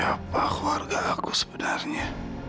jadi siapa keluarga aku sebenarnya